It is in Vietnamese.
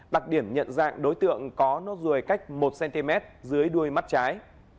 đặc điểm nhận dạng đối tượng có nốt ruồi cách một cm dưới đuôi mắt trái